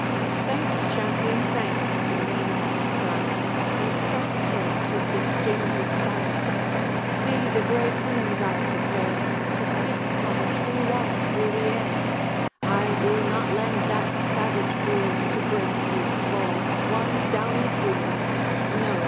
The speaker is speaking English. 'Thanks, champion, thanks' the Maniac cried, And pressed her to Fitz James's side. 'See the gray pennons I prepare, To seek my true love through the air! I will not lend that savage groom, To break his fall, one downy plume! No!